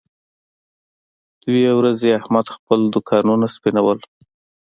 دوه ورځې احمد خپل دوکانونه سپینول.